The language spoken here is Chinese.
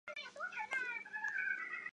可浏览的内容如下。